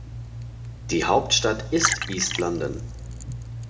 Die Hauptstadt ist East London.